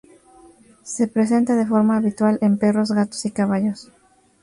Se presenta de forma habitual en perros, gatos y caballos.